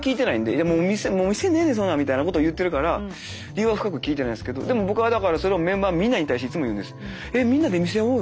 「いやもう見せんでええねんそんなん」みたいなこと言ってるから理由は深く聞いてないですけどでも僕はだからそれをメンバーみんなに対していつも言うんです。